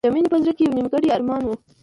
د مینې په زړه کې یو نیمګړی ارمان و